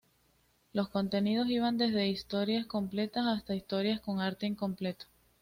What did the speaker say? Los contenidos iban desde historias completas hasta historias con arte incompleto.